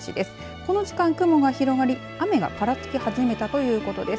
この時間、雲が広がり雨がぱらつき始めたということです。